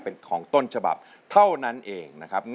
เป็นของต้นฉบับเท่านั้นเองนะครับ